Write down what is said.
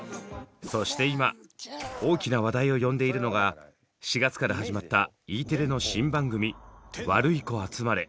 そして今大きな話題を呼んでいるのが４月から始まったＥテレの新番組「ワルイコあつまれ」。